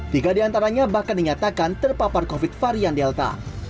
tiga di antaranya bahkan dinyatakan terpapar covid varian delta